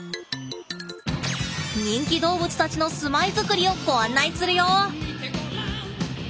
人気動物たちの住まいづくりをご案内するよ。